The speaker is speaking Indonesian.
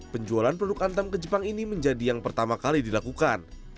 penjualan produk antam ke jepang ini menjadi yang pertama kali dilakukan